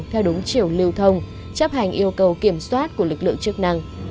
theo đúng chiều lưu thông chấp hành yêu cầu kiểm soát của lực lượng chức năng